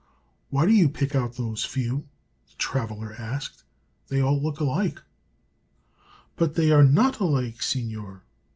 "Why do you pick out those few?" the traveler asked. "They all look alike." "But they are not alike, seignior.